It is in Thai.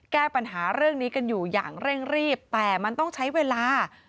แก้ปัญหาเรื่องนี้กันอยู่อย่างเร่งรีบแต่มันต้องใช้เวลา